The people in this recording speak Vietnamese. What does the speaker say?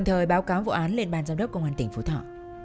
hãy báo cáo vụ án lên ban giám đốc công an tỉnh phú thọ